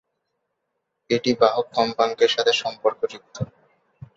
এটি বাহক কম্পাঙ্কের সাথে সম্পর্কযুক্ত।